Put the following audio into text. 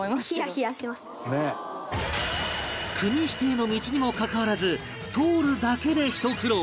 国指定の道にもかかわらず通るだけでひと苦労！